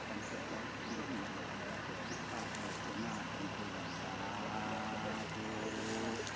ภาษาภีโรทธรรมหรือ